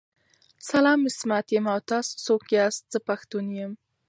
سلام عصمت یم او تاسو څوک ياست ذه پښتون یم